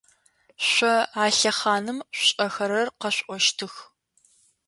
Шъо а лъэхъаным шъушӏэхэрэр къэшъуӏощтых.